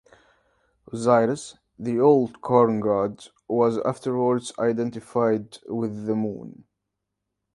Osiris, the old corn-god, was afterwards identified with the moon.